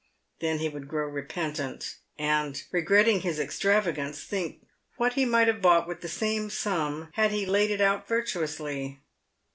Then he would grow repentant, and, regretting his extravagance, think what he might have bought with the same sum had he laid it out virtuously.